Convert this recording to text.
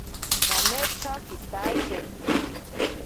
Kametsa kitaiteri.